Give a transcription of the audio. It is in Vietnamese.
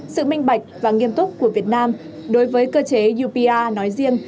sự minh bạch và nghiêm túc của việt nam đối với cơ chế upr nói riêng